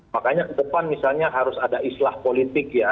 makanya ke depan misalnya harus ada islah politik ya